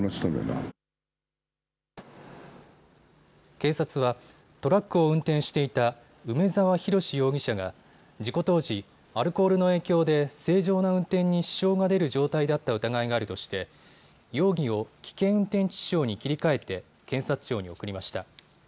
警察はトラックを運転していた梅澤洋容疑者が事故当時、アルコールの影響で正常な運転に支障が出る状態だった疑いがあるとして容疑を危険運転致死傷に切り替えて検察庁に送りました。